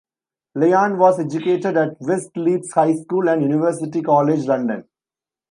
Lyon was educated at West Leeds High School and University College, London.